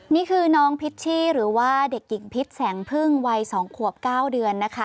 นี่คือน้องพิชชี่หรือว่าเด็กหญิงพิษแสงพึ่งวัย๒ขวบ๙เดือนนะคะ